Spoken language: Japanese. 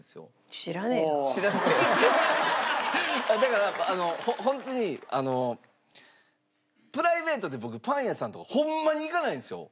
だからホントにプライベートで僕パン屋さんとかホンマに行かないんですよ。